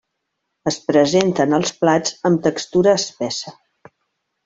Es presenta en els plats amb textura espessa.